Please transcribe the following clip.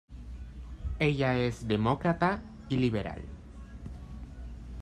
Ella es demócrata y liberal.